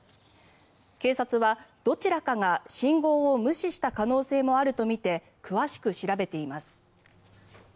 警察はどちらかが信号を無視した可能性もあるとみて詳しく調べています。